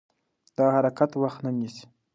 دا حرکت وخت نه نیسي.